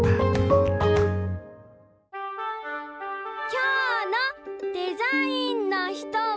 きょうのデザインの人は。